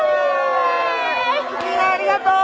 「みんなありがとう！」